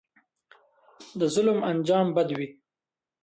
د ظلم انجام بد وي